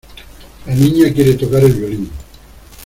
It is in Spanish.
La niña quiere tocar el violín.